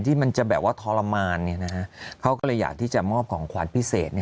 ที่มันจะแบบว่าทรมานเขาก็เลยอยากที่จะมอบของขวัญพิเศษ